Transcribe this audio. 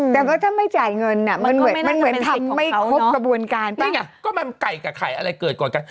แต่ก็ถ้าไม่จ่ายเงินมันเหมือนทำไม่ครบกระบวนการนี่ไงก็แม่งไก่กับไข่อะไรเกิดก่อนกัน